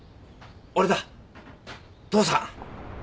俺だ父さん。